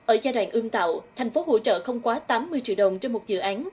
ở giai đoạn ương tạo thành phố hỗ trợ không quá tám mươi triệu đồng trên một dự án